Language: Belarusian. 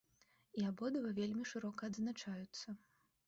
І абодва вельмі шырока адзначаюцца.